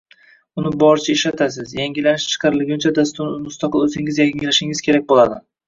Uni boricha ishlatasiz, yangilanish chiqarilganda dasturni mustaqil o’zingiz yangilashingiz kerak bo’ladi